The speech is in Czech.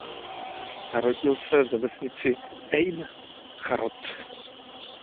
Narodil se ve vesnici Ejn Charod.